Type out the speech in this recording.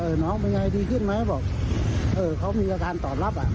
น้องเป็นไงดีขึ้นไหมบอกเออเขามีอาการตอบรับอ่ะ